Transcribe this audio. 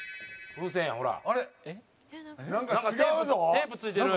テープついてる。